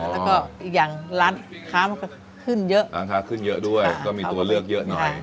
แล้วก็อีกอย่างร้านค้ามันก็ขึ้นเยอะร้านค้าขึ้นเยอะด้วยก็มีตัวเลือกเยอะหน่อย